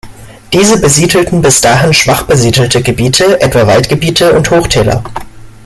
Diese besiedelten bis dahin schwach besiedelte Gebiete, etwa Waldgebiete und Hochtäler.